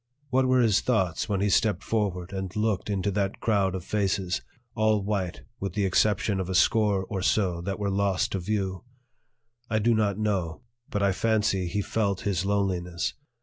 What were his thoughts when he stepped forward and looked into that crowd of faces, all white with the exception of a score or so that were lost to view? I do not know, but I fancy he felt his loneliness.